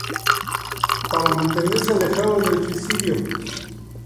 Para mantenerse alejado del suicidio.